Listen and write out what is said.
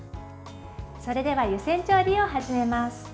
それでは、湯煎調理を始めます。